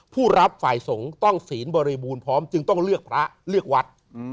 ผู้รับฝ่ายสงฆ์ต้องศีลบริบูรณ์พร้อมจึงต้องเลือกพระเลือกวัด